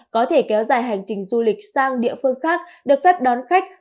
có thể kéo dài hành trình du lịch sang địa phương khác được phép đón khách